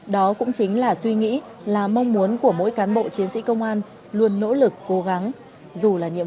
đó cũng chính là suy nghĩ là mong muốn của mỗi cán bộ chiến sĩ công an luôn nỗ lực cố gắng